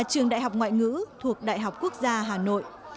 trường đại học ngoại ngữ thuộc đại học quốc gia hà nội